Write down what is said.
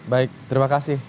baik terima kasih